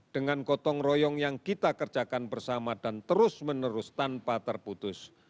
dengan gotong royong yang kita kerjakan bersama dan terus menerus tanpa terputus